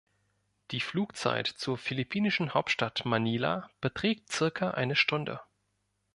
Die Flugzeit zur philippinischen Hauptstadt Manila beträgt circa eine Stunde.